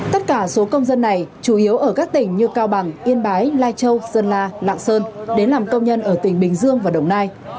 tất cả số công dân này chủ yếu ở các tỉnh như cao bằng yên bái lai châu sơn la lạng sơn đến làm công nhân ở tỉnh bình dương và đồng nai